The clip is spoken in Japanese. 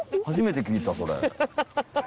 初めて聞いたそれ。